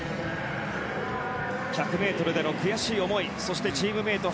１００ｍでの悔しい思いそしてチームメート